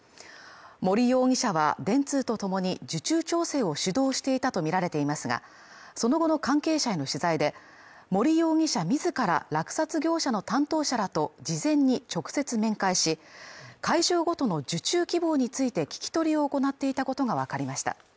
森容疑者は電通とともに受注調整を主導していたとみられていますが、その後の関係者への取材で森容疑者自ら落札業者の担当者らと事前に直接面会し、会場ごとの受注希望について聞き取りを行っていたことがわかりました。